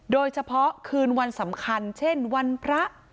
โดยเฉพาะคืนวันสำคัญเช่นวันพระ